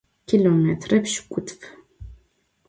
Kilomêtre pş'ık'utf.